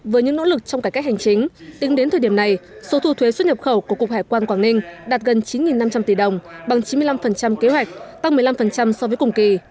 với những nỗ lực trong cải cách hành chính tính đến thời điểm này số thu thuế xuất nhập khẩu của cục hải quan quảng ninh đạt gần chín năm trăm linh tỷ đồng bằng chín mươi năm kế hoạch tăng một mươi năm so với cùng kỳ